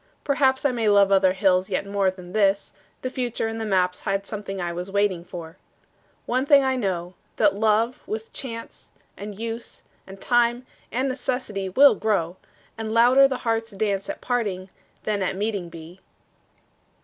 Perhaps I may love other hills yet more Than this: the future and the maps Hide something I was waiting for. One thing I know, that love with chance And use and time and necessity Will grow, and louder the heart's dance At parting than at meeting be.